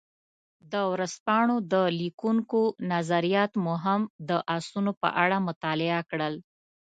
د ورځپاڼو د لیکونکو نظریات مو هم د اسونو په اړه مطالعه کړل.